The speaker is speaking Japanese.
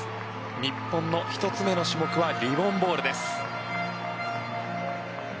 日本の１つ目の種目はリボン・ボールです。